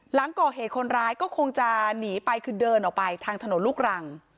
หลังก่อเหตุคนร้ายก็คงจะหนีไปคือเดินออกไปทางถนนลูกรัง